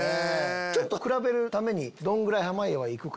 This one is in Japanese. ちょっと比べるためにどんぐらい濱家は行くか。